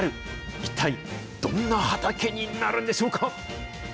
一体、どんな畑になるんでしょうか。